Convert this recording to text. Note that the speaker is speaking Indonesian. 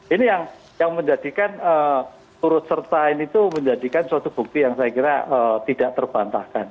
ini yang menjadikan turut serta ini itu menjadikan suatu bukti yang saya kira tidak terbantahkan